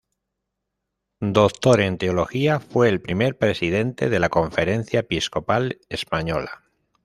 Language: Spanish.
Doctor en Teología, fue el primer Presidente de la Conferencia Episcopal Española.